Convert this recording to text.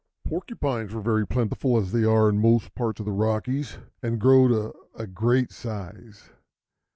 Porcupines were very plentiful, as they are in most parts of the Rockies, and grow to a great size.